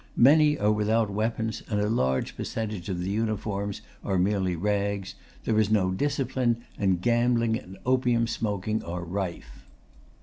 Many are without weapons and a large percentage of the uniforms are merely rags. There is no discipline, and gambling and opium smoking are rife.